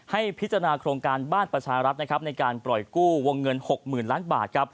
ให้พิจารณาโครงการบ้านประชารับในการปล่อยกู้วงเงิน๖๐๐๐๐บาท